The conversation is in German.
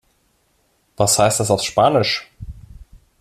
Was heißt das auf Spanisch?